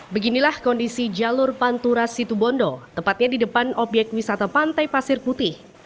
beginilah kondisi jalur pantura situbondo tepatnya di depan obyek wisata pantai pasir putih